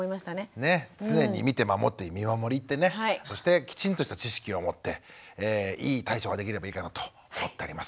ねっ常に見て守って「見守り」ってねそしてきちんとした知識を持っていい対処ができればいいかなと思っております。